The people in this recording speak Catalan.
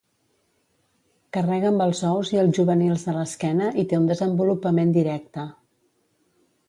Carrega amb els ous i els juvenils a l'esquena i té un desenvolupament directe.